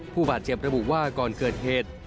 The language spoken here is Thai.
ผู้บาดเจ็บระบุว่าก่อนเกิดเหตุ